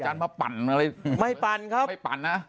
มาปั่นอะไรไม่ปั่นครับไม่ปั่นนะ